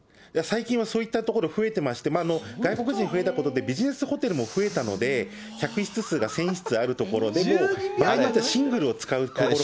最近はそういったところ、増えてまして、外国人、増えたことで、ビジネスホテルも増えたので、客室数が１０００室ある所でも、なんだったら、シングルを使う。